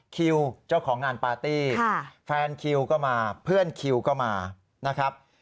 คิวเจ้าของงานปาร์ตี้แฟนคิวก็มาเพื่อนคิวก็มานะครับ